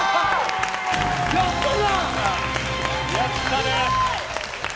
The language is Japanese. やったね！